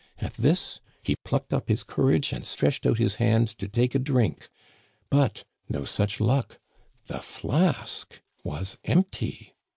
At this he plucked up his courage and stretched out his hand to take a drink. But no such luck ! The flask was empty